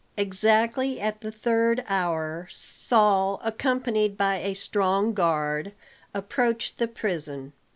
Exactly at the third hour, Saul accompanied by a strong guard approached the prison.